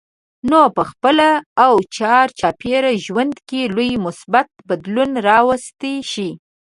نو په خپل او چار چاپېره ژوند کې لوی مثبت بدلون راوستی شئ.